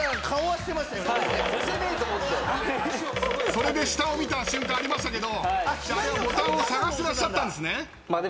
それで下を見た瞬間ありましたけどあれはボタンを捜してらっしゃったんですね。